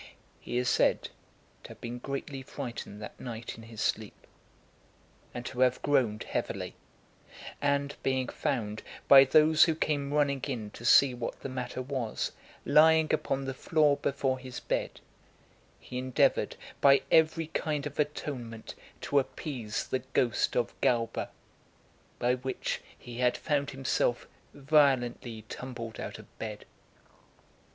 He is said to have been greatly frightened that night in his sleep, and to have groaned heavily; and being found, by those who came running in to see what the matter was, lying upon the floor before his bed, he endeavoured by every kind of atonement to appease the ghost of Galba, by which he had found himself violently tumbled out of bed.